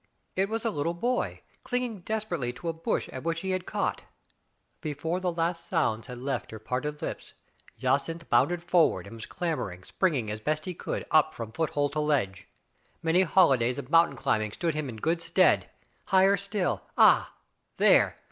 It was a little boy, clinging desper ately to a bush at which he had caught. Before the last sounds had left her parted lips, Jacynth bounded forward and was clambering, springing as best he could, up from foothold to ledge. Many holidays of mountain climbing stood him in good stead. Higher still — ah! there!